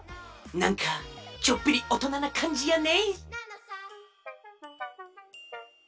なんかちょっぴりおとななかんじやね。